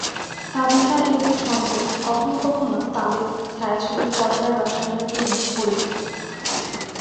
সাবিহা এবং সন্তোষ কখনও কখনও তাঁদের ছায়াছবির পর্দার রসায়নের জন্য পরিচিত।